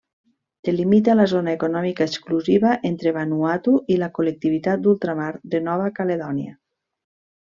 Delimita la zona econòmica exclusiva entre Vanuatu i la col·lectivitat d'ultramar de Nova Caledònia.